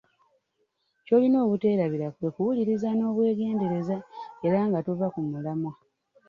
Ky'olina obuteerabira kwe kuwuliriza n'obwegendereza era nga tova ku mulamwa.